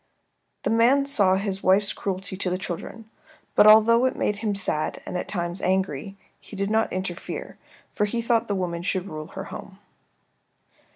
The man saw his wife's cruelty to the children, but although it made him sad, and at times angry, he did not interfere, for he thought the woman should rule her home.